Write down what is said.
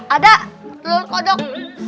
ada pelur kodok